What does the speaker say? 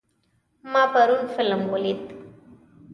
ما پرون فلم ولید.